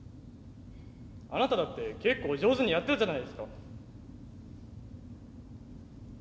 あなただって結構上手にやってたじゃないですか。